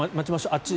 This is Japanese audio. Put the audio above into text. あっち